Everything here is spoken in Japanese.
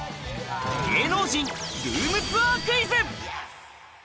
芸能人ルームツアークイズ！